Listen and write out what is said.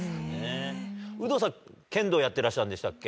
有働さん、剣道やってらっしゃるんでしたっけ？